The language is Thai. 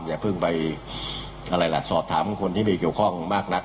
อย่าเพิ่งไปอะไรล่ะสอบถามคนที่มีเกี่ยวข้องมากนัก